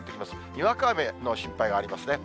にわか雨の心配がありますね。